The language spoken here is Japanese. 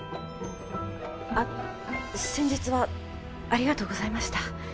あ先日はありがとうございました。